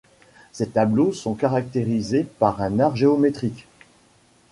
Ses tableaux sont caractérisés par un art géométrique.